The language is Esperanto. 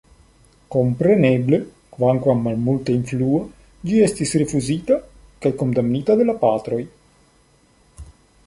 Kompreneble, kvankam malmulte influa, ĝi estis rifuzita kaj kondamnita de la Patroj.